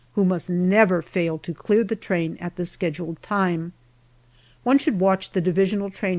who must never fail to clear the train at the scheduled time. One should watch the divisional train H.